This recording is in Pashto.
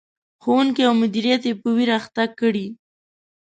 ښوونکي او مدیریت یې په ویر اخته کړي.